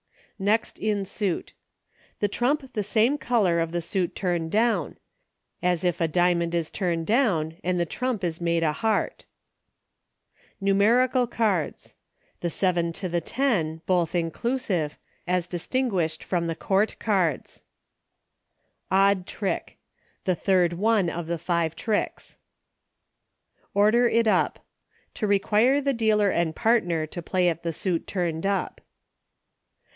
Next in Suit. The trump the same color of the suit turned down — as if a diamond is turned down and the trump is made a heart. S4 Vviiirical C The even to the ten, both inclusive, as distinguished from the court Odd Trick. The third won of the five tricks. ?.der it Up. To require the dealer and partner to play at the suit turned up.